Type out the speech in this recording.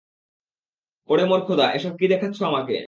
ওরে মোর খোদা, এসব কী দেখাচ্ছ আমাকে?